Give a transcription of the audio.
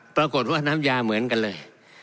ปรากฏว่าน้ำยาเหมือนกันเลย